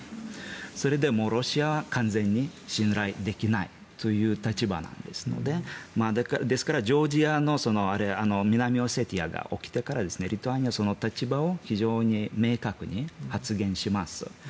それでロシアは完全に信頼できないという立場なのでですから、ジョージアの南オセチアが起きてからリトアニアはその立場を非常に明確に発言します。